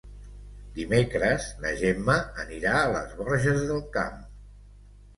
Dimecres na Gemma anirà a les Borges del Camp.